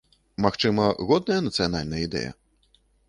Магчыма, годная нацыянальная ідэя?